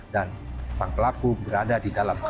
dan sang pelaku berada di dalam pintunya